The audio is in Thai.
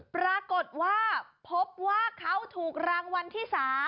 ปรากฏว่าพบว่าเขาถูกรางวัลที่๓